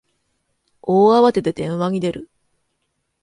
大慌てで電話に出る